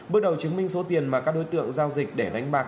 bước đầu chứng minh số tiền mà các đối tượng giao dịch để đánh bạc